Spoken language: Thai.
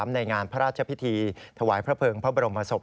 ในงานพระราชพิธีถวายพระเภิงพระบรมศพ